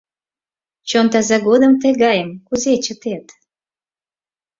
Чон таза годым тыгайым кузе чытет!